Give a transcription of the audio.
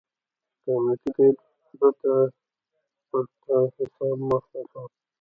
د امنیتي تایید پرته حساب مه خلاصوه.